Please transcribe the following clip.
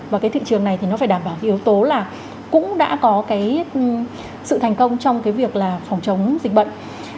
và cái thị trường này thì nó phải đảm bảo cái yếu tố là cũng đã có cái sự thành công trong cái việc là phòng chống dịch bệnh